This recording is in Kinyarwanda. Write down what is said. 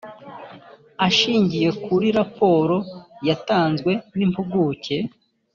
ashingiye kuri raporo yatanzwe n impuguke